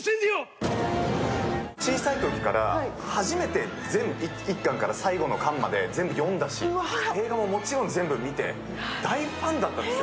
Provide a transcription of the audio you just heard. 小さいときから、初めて１巻から最後まで全部読んだし、映画ももちろん全部見て大ファンだったんですよ。